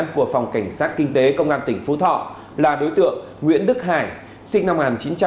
của phòng cảnh sát kinh tế công an tỉnh phú thọ là đối tượng nguyễn đức hải sinh năm một nghìn chín trăm tám mươi